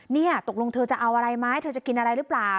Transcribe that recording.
นี่ตกลงเธอจะเอาอะไรไหมเธอจะกินอะไรหรือเปล่า